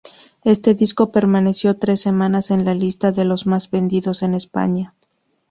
Este disco permaneció tres semanas en la lista de los más vendidos en España.